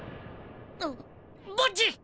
あっボッジ！